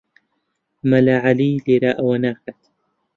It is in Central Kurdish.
مەلا عەلی لێرە ئەوە ناکات.